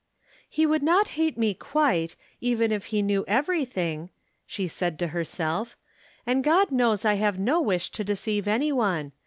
" He would not hate me quite, even if he knew everything," she said to herself; "and God knows I have no wish to deceive any one.